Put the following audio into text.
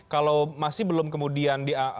kalau masih belum kemudian